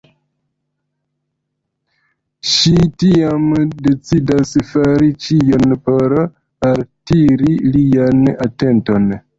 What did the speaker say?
Ŝi tiam decidas fari ĉion por altiri lian atenton.